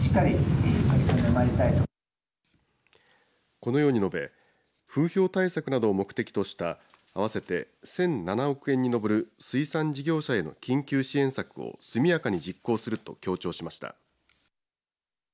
このように述べ風評対策などを目的としたあわせて１００７億に上る水産事業者への緊急支援策を速やかに実行すると強調しました。